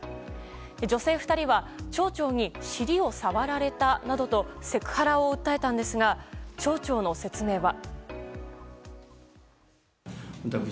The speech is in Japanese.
女性２人は町長に尻を触られたなどとセクハラを訴えたんですが町長の説明は。